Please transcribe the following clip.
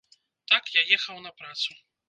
Так, я ехаў на працу.